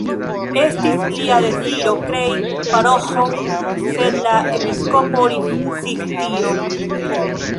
Estis lia deziro krei paroĥon, sed la episkopo rifuzis tion.